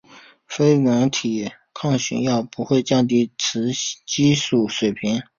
非甾体抗雄药不会降低雌激素水平。